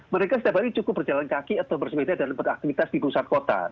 mereka setiap hari cukup berjalan kaki atau bersepeda dan beraktivitas di pusat kota